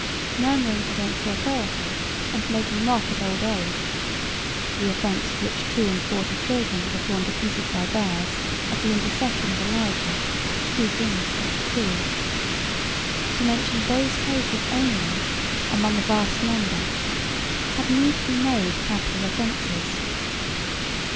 murmuring against authority, and making mock at old age (the offence for which two and forty children were torn to pieces by bears, at the intercession of Elijah. 2 Kings ch. 2. J.B.), to mention those cases only among a vast number, had need to be made capital offences.